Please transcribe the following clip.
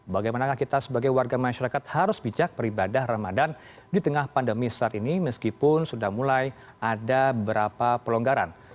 bagaimana kita sebagai warga masyarakat harus bijak beribadah ramadan di tengah pandemi saat ini meskipun sudah mulai ada beberapa pelonggaran